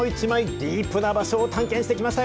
ディープな場所を探検してきましたよ。